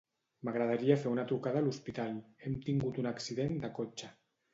M'agradaria fer una trucada a l'hospital; hem tingut un accident de cotxe.